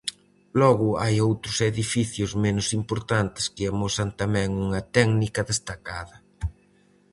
Logo hai outros edificios menos importantes que amosan tamén unha técnica destacada.